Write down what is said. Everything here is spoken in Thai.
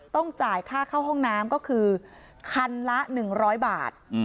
ต้องจ่ายค่าเข้าห้องน้ำก็คือคันละ๑๐๐บาท